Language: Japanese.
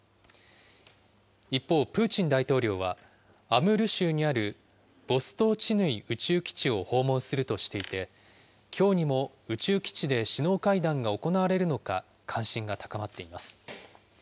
一方、プーチン大統領は、アムール州にあるボストーチヌイ宇宙基地を訪問するとしていて、きょうにも宇宙基地で首脳会談が行われるのか関心が高まっています。